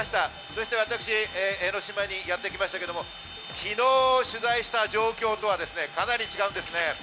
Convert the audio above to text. そして私、江の島にやってきましたけれども、昨日取材した状況とはかなり違うんですね。